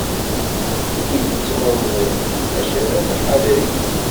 D tidet meẓẓiy, maca d amḥadri.